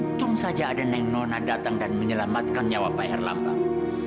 untung saja ada neng nona datang dan menyelamatkan nyawa pak herlambang